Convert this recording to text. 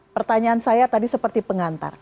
pertanyaan saya tadi seperti pengantar